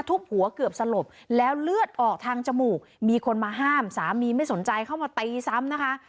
ทุบหัวเกือบสลบแล้วเลือดออกทางจมูกมีคนมาห้ามสามีไม่สนใจเข้ามาตีซ้ำนะคะ